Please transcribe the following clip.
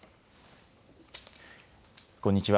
こんにちは。